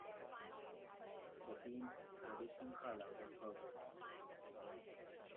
The team's traditional color was purple.